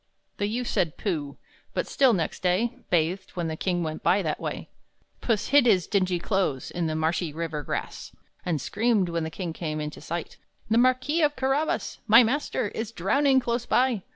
The youth said "Pooh!" but still, next day, Bathed, when the king went by that way. Puss hid his dingy clothes In the marshy river grass. And screamed, when the king came into sight, "The Marquis of Carabas My master is drowning close by!